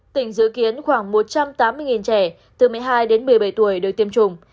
tỉnh dự kiến khoảng một trăm tám mươi trẻ từ một mươi hai đến một mươi bảy tuổi được tiêm chủng